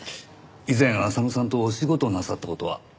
以前浅野さんとお仕事なさった事は？